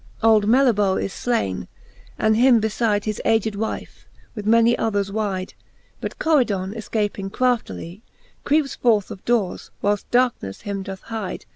Old Meliboe is flaine, and him befide His aged wife, with many others wide : But Coridon efcaping craftily, Creepes forth of dores, whilft darknes him doth hide.